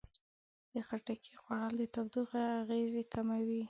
د خټکي خوړل د تودوخې اغېزې کموي.